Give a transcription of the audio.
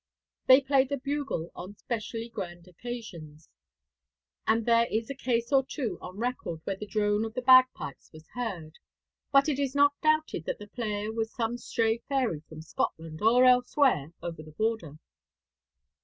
They play the bugle on specially grand occasions, and there is a case or two on record where the drone of the bagpipes was heard; but it is not doubted that the player was some stray fairy from Scotland or elsewhere over the border.